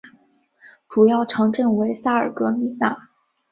主要城镇为萨尔格米讷。